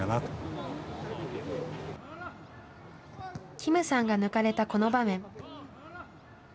金さんが抜かれたこの場面。